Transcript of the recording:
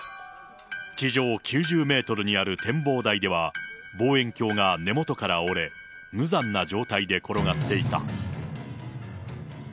地上９０メートルにある展望台では、望遠鏡が根本から折れ、無残な状態で転がっていた。